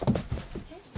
えっ？